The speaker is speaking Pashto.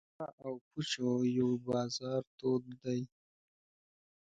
د فحاشا او پوچو یو بازار تود دی.